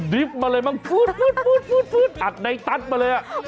ดริฟต์มาเลยมาพูดอัดไนตั๊ดมาเลย